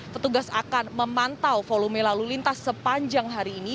petugas akan memantau volume lalu lintas sepanjang hari ini